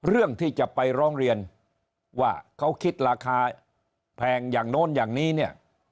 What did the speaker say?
เรื่องที่จะไปร้องเรียนว่าเขาคิดราคาแพงอย่างโน้นอย่างนี้เนี่ย